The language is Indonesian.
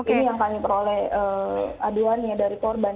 ini yang kami peroleh aduannya dari korban